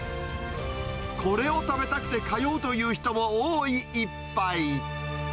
これを食べたくて通うという人も多い一杯。